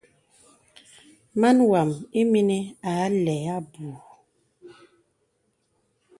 Màn wām ìmìnī a lɛ abù.